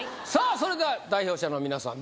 それでは代表者の皆さん